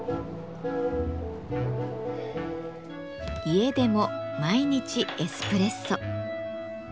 家でも毎日エスプレッソ。